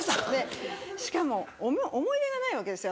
しかも思い出がないわけですよ